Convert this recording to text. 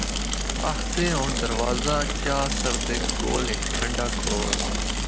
آخدے ہن دروازہ چاہ سرد دے کول ہک ٹھنڈا کھو آسا۔